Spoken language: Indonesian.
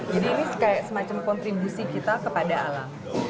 jadi ini kayak semacam kontribusi kita kepada alam